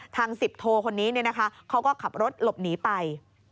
๑๐โทคนนี้เขาก็ขับรถหลบหนีไป